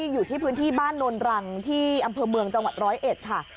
อยู่ที่พื้นที่บ้านโนนรังที่อำเภอเมืองจังหวัดร้อยเอ็ดค่ะ